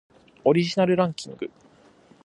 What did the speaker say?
オリジナルランキング